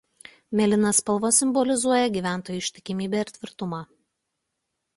Mėlyna spalva simbolizuoja gyventojų ištikimybę ir tvirtumą.